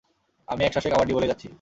আমি একশ্বাসে কাবাডি বলেই যাচ্ছি।